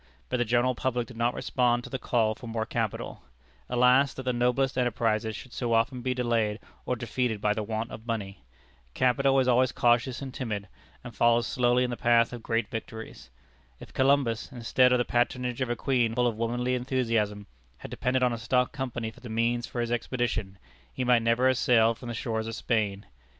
But the general public did not respond to the call for more capital. Alas that the noblest enterprises should so often be delayed or defeated by the want of money! Capital is always cautious and timid, and follows slowly in the path of great discoveries. If Columbus, instead of the patronage of a Queen full of womanly enthusiasm, had depended on a stock company for the means for his expedition, he might never have sailed from the shores of Spain.